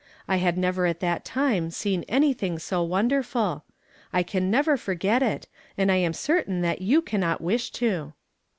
I had never at that time seen anything so wonder ful ; I can never forget it, and [ am certain that you cannot wish to."